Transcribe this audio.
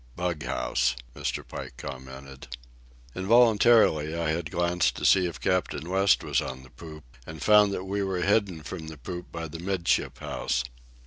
"Bug house," Mr. Pike commented. Involuntarily I had glanced to see if Captain West was on the poop, and found that we were hidden from the poop by the 'midship house.